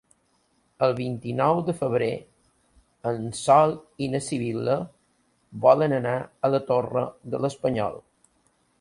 El vint-i-nou de febrer en Sol i na Sibil·la volen anar a la Torre de l'Espanyol.